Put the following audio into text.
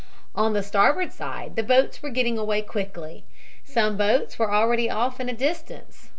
"On the starboard side the boats were getting away quickly. Some boats were already off in a distance.